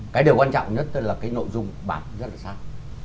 cái điều quan trọng nhất là cái nội dung bạc rất là sắc